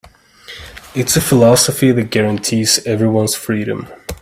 It's the philosophy that guarantees everyone's freedom.